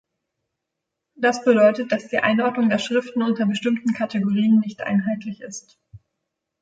Das bedeutet, dass die Einordnung der Schriften unter bestimmte Kategorien nicht einheitlich ist.